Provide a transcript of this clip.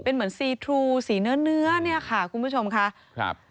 เป็นเหมือนซีทรูสีเนื้อเนื้อเนี่ยค่ะคุณผู้ชมค่ะครับ